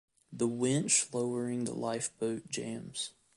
The winch lowering the lifeboat jams.